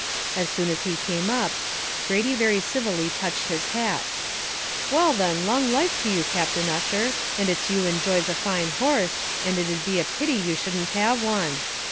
As soon as he came up, Brady very civilly touched his hat: "Well then long life to you, Captain Ussher, and it's you enjoys a fine horse, and it'd be a pity you shouldn't have one.